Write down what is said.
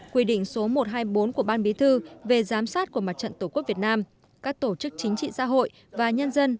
quy định số một trăm hai mươi bốn của ban bí thư về giám sát của mặt trận tổ quốc việt nam các tổ chức chính trị xã hội và nhân dân